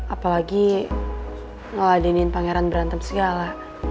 apalagi ngeladenin pangeran berantem segala